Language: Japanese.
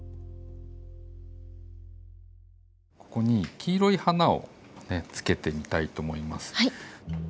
ここに黄色い花を付けてみたいと思います。